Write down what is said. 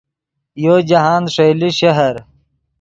یو جاہند ݰئیلے شہر